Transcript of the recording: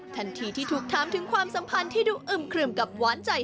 ทันทีที่ถูกถามถึงความสัมพันธ์ที่ดูอึมครึ่มกับหวานใจ